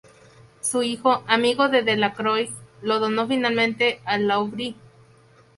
Su hijo, amigo de Delacroix, lo donó finalmente al Louvre.